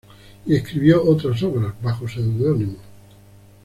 Y escribió otras obras, bajo seudónimo.